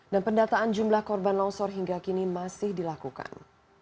dan pendataan jumlah korban longsor hingga kini masih dilakukan